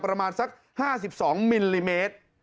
ประมาณสัก๕๒มิลลิเมตร